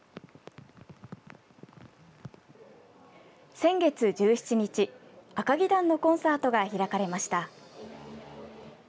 先月１７日「あかぎ団」のコンサートが開かれました。